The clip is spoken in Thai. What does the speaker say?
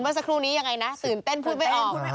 สักครู่นี้ยังไงนะตื่นเต้นพูดไม่ออก